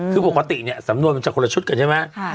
คือปกติเนี่ยสำนวนมันจะคนละชุดกันใช่ไหม